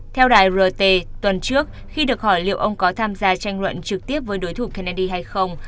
theo đài rt tuần trước khi được hỏi liệu ông có tham gia tranh luận trực tiếp với đối thủ kennedy hay không